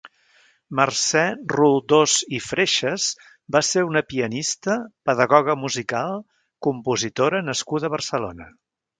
Mercè Roldós i Freixes va ser una pianista, pedagoga musical, compositora nascuda a Barcelona.